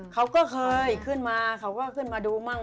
เขาก็เคยขึ้นมาเขาก็ขึ้นมาดูมั่ง